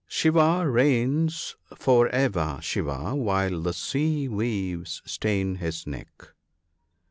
Shiva reigns for ever Shiva, ivhile the sea waves stain his neck.